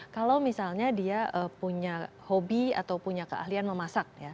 kalau misalnya dia punya hobi atau punya keahlian memasak ya